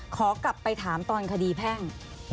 ขอกลับไปถามตอนคดีแพ่ง